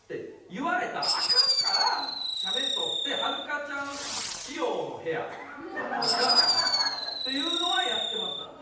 言われたらアカンから写メ撮ってはるかちゃん仕様の部屋とかっていうのはやってますよ。